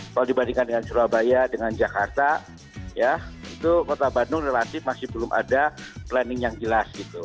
kalau dibandingkan dengan surabaya dengan jakarta ya itu kota bandung relatif masih belum ada planning yang jelas gitu